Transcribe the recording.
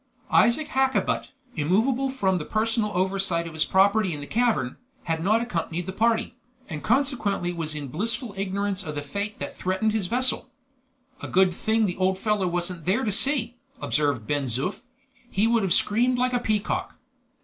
Isaac Hakkabut, immovable from the personal oversight of his property in the cavern, had not accompanied the party, and consequently was in blissful ignorance of the fate that threatened his vessel. "A good thing the old fellow wasn't there to see," observed Ben Zoof; "he would have screamed like a peacock.